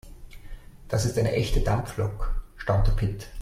Das ist eine echte Dampflok, staunte Pit.